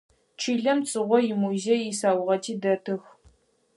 Чылэм Цыгъо имузеий исаугъэти дэтых.